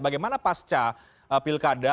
bagaimana pasca pilkada